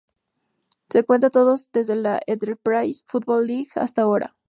Se cuentan todos, desde la Enterprise Football League hasta ahora.